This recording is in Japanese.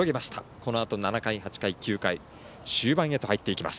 このあと７回、８回、９回、終盤へと入っていきます。